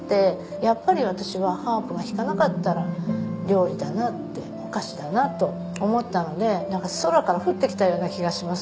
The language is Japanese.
やっぱり私はハープを弾かなかったら料理だなってお菓子だなと思ったのでなんか空から降ってきたような気がします。